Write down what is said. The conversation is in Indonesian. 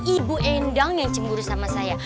ibu endang yang cemburu sama saya